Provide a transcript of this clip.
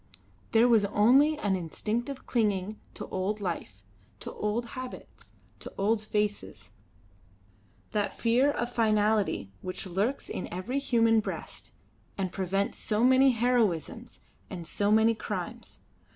There was only an instinctive clinging to old life, to old habits, to old faces; that fear of finality which lurks in every human breast and prevents so many heroisms and so many crimes.